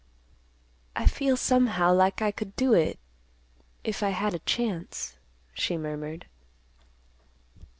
"I feel somehow like I could do it, if I had a chance," she murmured.